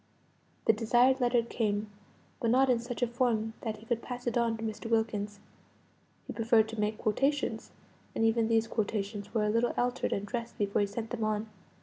The desired letter came; but not in such a form that he could pass it on to Mr. Wilkins; he preferred to make quotations, and even these quotations were a little altered and dressed before he sent them on.